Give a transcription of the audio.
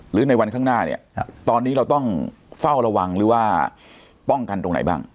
ในวันข้างหน้าเนี่ยตอนนี้เราต้องเฝ้าระวังหรือว่าป้องกันตรงไหนบ้าง